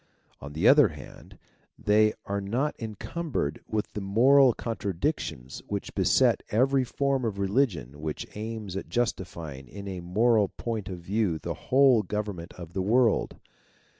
On the other hand, they are not encumbered with the moral contradictions which beset every form of religion which aims at justifying in a moral point of view the whole govern ment of the world.